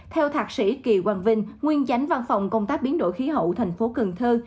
theo thạc sĩ kỳ quang vinh nguyên chánh văn phòng công tác biến đổi khí hậu thành phố cần thơ